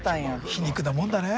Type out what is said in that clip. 皮肉なもんだね。